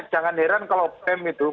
jangan heran kalau pem itu